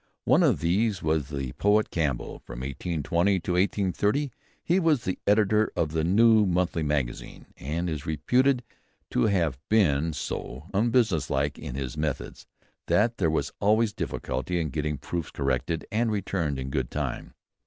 One of these was the poet Campbell. From 1820 to 1830 he was editor of the New Monthly Magazine, and is reputed to have been so very unbusinesslike in his methods that there was always difficulty in getting proofs corrected and returned in good time.